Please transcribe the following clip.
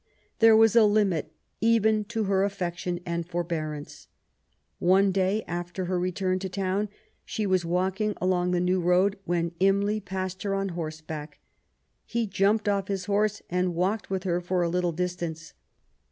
There was a limit even to her affection and forbearance. One day, after her return to town, she was walking along the New Road when Imlay passed her on horseback. He juntped off his horse and walked with her for some little distance.